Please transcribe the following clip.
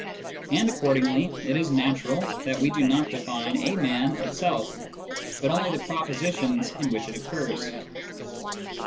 And' accordingly it is natural that we do not define " a man " itself, but only the propositions in which it occurs.